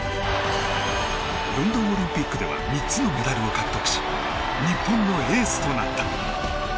ロンドンオリンピックでは３つのメダルを獲得し日本のエースとなった。